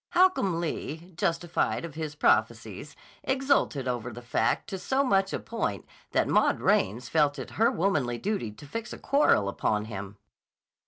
Holcomb Lee, justified of his prophecies, exulted over the fact to such a point that Maud Raines felt it her womanly duty to fix a quarrel upon him.